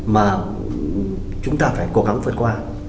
mà chúng ta phải cố gắng phớt qua